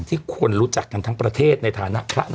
คนรู้จักกันทั้งประเทศในฐานะพระ